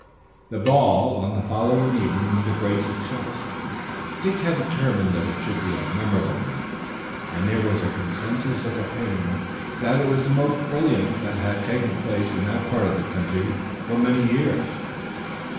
The ball on the following evening was a great success. Dick had determined that it should be a memorable one, and there was a consensus of opinion that it was the most brilliant that had taken place in that part of the country for many years.